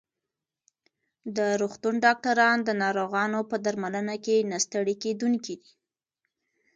د روغتون ډاکټران د ناروغانو په درملنه کې نه ستړي کېدونکي دي.